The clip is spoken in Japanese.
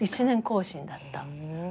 １年更新だった。